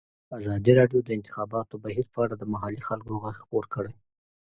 ازادي راډیو د د انتخاباتو بهیر په اړه د محلي خلکو غږ خپور کړی.